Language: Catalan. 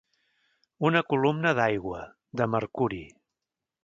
Una columna d'aigua, de mercuri.